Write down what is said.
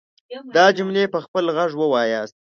دا جملې په خپل غږ وواياست.